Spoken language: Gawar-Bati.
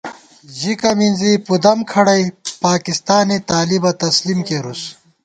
ژِکہ مِنزی پُدَم کھڑَئی پاکستانےطالِبہ تسلیم کېرُوس